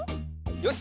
よし！